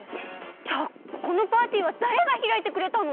じゃあこのパーティーはだれがひらいてくれたの！？